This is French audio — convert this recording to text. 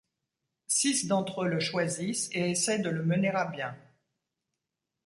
Six d’entre eux le choisissent et essaient de le mener à bien.